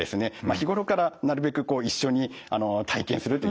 日頃からなるべく一緒に体験するっていうか。